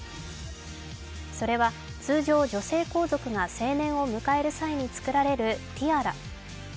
それは通常、女性皇族が成年を迎える際に作られるティアラ。